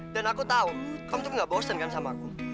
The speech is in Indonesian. dan aku tahu kamu tuh nggak bosan kan sama aku